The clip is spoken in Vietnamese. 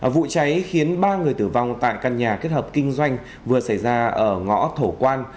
vụ cháy khiến ba người tử vong tại căn nhà kết hợp kinh doanh vừa xảy ra ở ngõ thổ quan